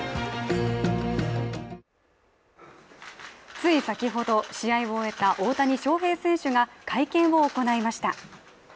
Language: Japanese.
つい先ほど、試合を終えた大谷翔平選手が会見を行いました。